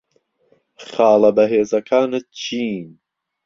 خاڵە بەهێزەکانت چین؟